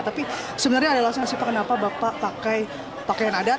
tapi sebenarnya adalah sifat kenapa bapak pakai pakaian adat